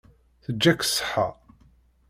Teǧǧa-k ṣṣeḥḥa.